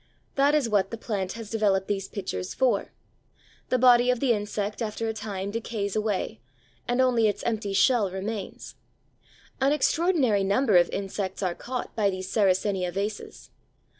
That is what the plant has developed these pitchers for. The body of the insect after a time decays away, and only its empty shell remains. An extraordinary number of insects are caught by these Sarracenia vases.